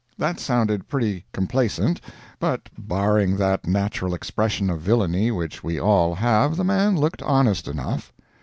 That sounded pretty complacent, but barring that natural expression of villainy which we all have, the man looked honest enough.